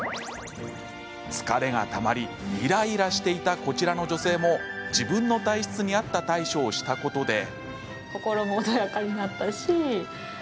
疲れがたまりイライラしていたこちらの女性も自分の体質に合った対処をしたことで。